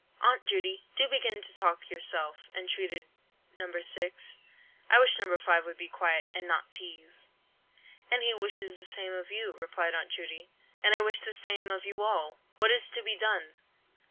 "Aunt Judy, do begin to talk yourself," entreated No. 6. "I wish No. 5 would be quiet, and not teaze." "And he wishes the same of you," replied Aunt Judy, "and I wish the same of you all. What is to be done?